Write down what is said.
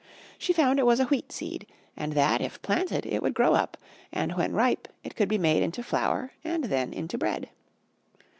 She found it was a Wheat Seed and that, if planted, it would grow up and when ripe it could be made into flour and then into bread.